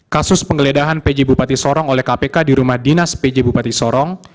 kasus penggeledahan pj bupati sorong oleh kpk di rumah dinas pj bupati sorong